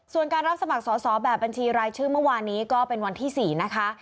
ส่วนการรับสมัครสอบแบบบัญชีรายชื่อเมื่อวานนี้ก็เป็นวันที่๔นะคะ